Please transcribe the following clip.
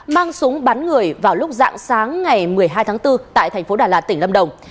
mang súng bắn người vào lúc dạng sáng ngày một mươi hai tháng bốn tại thành phố đà lạt tỉnh lâm đồng